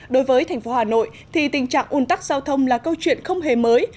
đối với thành phố hà nội thì tình trạng ủn tắc giao thông là câu chuyện không hề mới